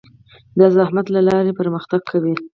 د زحمت له لارې پرمختګ کوي.